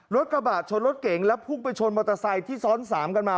รถกระบะชนรถเก่งแล้วพุ่งไปชนมอเตอร์ไซค์ที่ซ้อนสามกันมา